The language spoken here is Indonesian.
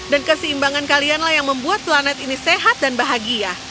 dan keseimbangan kalianlah yang membuat planet ini sehat dan bahagia